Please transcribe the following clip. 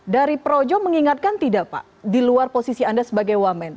dari projo mengingatkan tidak pak di luar posisi anda sebagai wamen